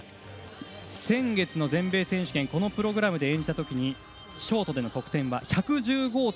先月の全米選手権このプログラムで演じたときにショートの得点は１１５．３９。